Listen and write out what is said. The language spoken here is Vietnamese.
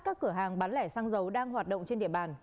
các cửa hàng bán lẻ xăng dầu đang hoạt động trên địa bàn